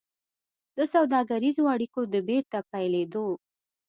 د سوداګريزو اړيکو د بېرته پيلېدو